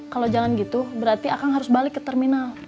kalau jangan gitu berarti akang harus balik ke terminal